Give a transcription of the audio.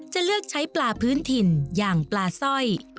จะเลือกใช้ปลาพื้นถิ่นอย่างปลาสร้อย